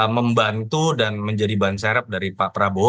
membantu dan menjadi bahan serep dari pak prabowo dalam bertugas